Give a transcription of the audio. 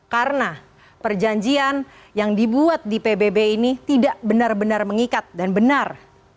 karena perjanjian yang dibuat di pbb ini tidak benar benar mengikat dan benar